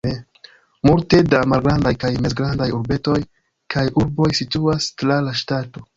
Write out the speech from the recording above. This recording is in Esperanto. Multe da malgrandaj kaj mezgrandaj urbetoj kaj urboj situas tra la ŝtato.